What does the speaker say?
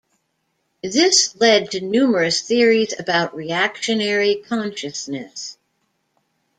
This led to numerous theories about reactionary consciousness.